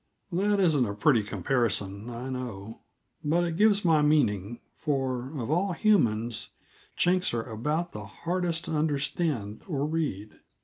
(That isn't a pretty comparison, I know, but it gives my meaning, for, of all humans, Chinks are about the hardest to understand or read.)